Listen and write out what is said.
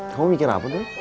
kamu mikir apa dulu